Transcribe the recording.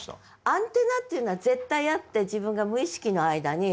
アンテナっていうのは絶対あって自分が無意識の間に。